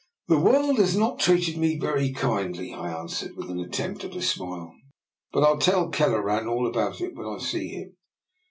" The world has not treated me very kind ly," I answered, with an attempt at a smile, "but I'll tell Kelleran all about it when I. see him.